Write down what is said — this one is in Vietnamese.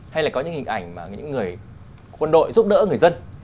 hay là có những hình ảnh mà những người quân đội giúp đỡ người dân